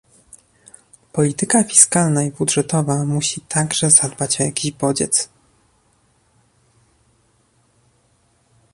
Polityka fiskalna i budżetowa musi także zadbać o jakiś bodziec